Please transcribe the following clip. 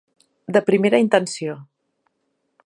De primera intenció.